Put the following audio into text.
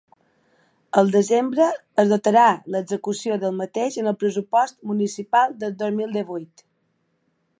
Al desembre es dotarà l’execució del mateix en el pressupost municipal del dos mil divuit.